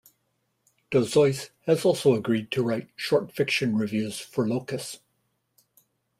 Dozois has also agreed to write short fiction reviews for "Locus".